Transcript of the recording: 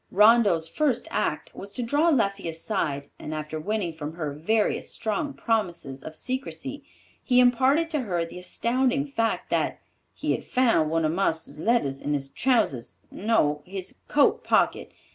Rondeau's first act was to draw Leffie aside, and after winning from her various strong promises of secrecy, he imparted to her the astounding fact that, "He had found one of marster's letters in his trousers—no, his coat pocket.